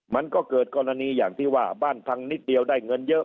มันก็เกิดกรณีอย่างที่ว่าบ้านพังนิดเดียวได้เงินเยอะ